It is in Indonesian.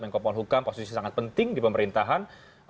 menkopol hukum posisi sangat penting di pemerintahan